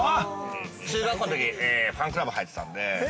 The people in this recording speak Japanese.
中学校のときにファンクラブに入ってたんで。